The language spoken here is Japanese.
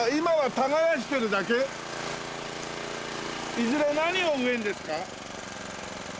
いずれ何を植えるんですか？